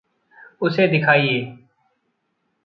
उसे दिखाइए।